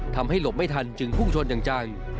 หลบไม่ทันจึงพุ่งชนอย่างจัง